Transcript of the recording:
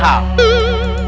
tidak ada hal yang mustahak